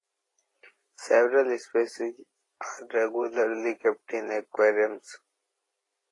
Several species are regularly kept in aquariums.